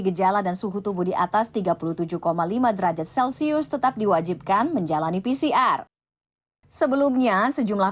gejala dan suhu tubuh di atas tiga puluh tujuh lima derajat celcius tetap diwajibkan menjalani pcr sebelumnya sejumlah